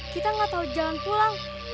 kita nggak tahu jalan pulang